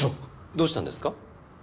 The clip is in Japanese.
どうしたんですか？